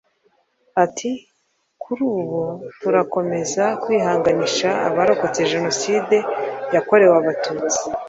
Ati “kuri ubu turakomeza kwihanganisha abarokotse Janoside yakorewe Abatutsi